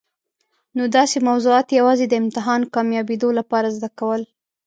نو داسي موضوعات یوازي د امتحان کامیابېدو لپاره زده کول.